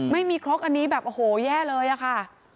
ไม่มีครกอันนี้แบบโอ้โหแย่เลยค่ะ